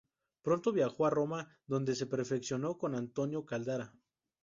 Pronto viajó a Roma donde se perfeccionó con Antonio Caldara.